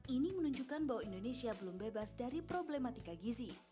ini menunjukkan bahwa indonesia belum bebas dari problematika gizi